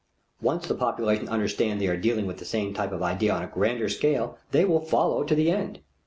Once the population understand they are dealing with the same type of idea on a grander scale, they will follow to the end.